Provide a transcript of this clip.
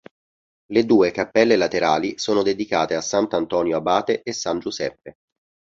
Le due cappelle laterali sono dedicate a sant'Antonio abate e san Giuseppe.